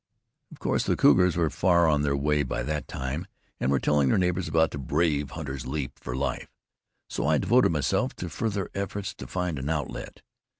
Of course the cougars were far on their way by that time, and were telling neighbors about the brave hunter's leap for life; so I devoted myself to further efforts to find an outlet.